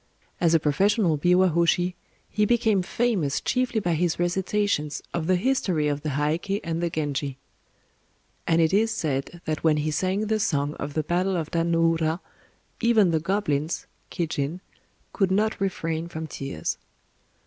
As a professional biwa hōshi he became famous chiefly by his recitations of the history of the Heiké and the Genji; and it is said that when he sang the song of the battle of Dan no ura "even the goblins [kijin] could not refrain from tears."